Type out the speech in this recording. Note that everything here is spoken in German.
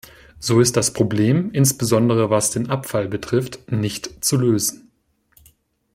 So ist das Problem, insbesondere was den Abfall betrifft, nicht zu lösen.